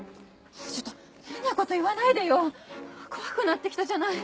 ちょっと変なこと言わないでよ怖くなって来たじゃない。